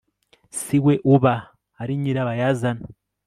si we uba ari nyirabayazana